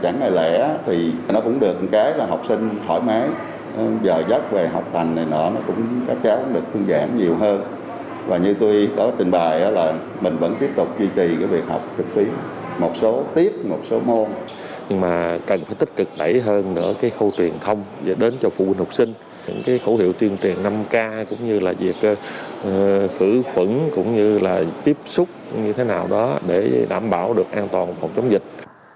như là việc cử phẩn cũng như là tiếp xúc như thế nào đó để đảm bảo được an toàn phòng chống dịch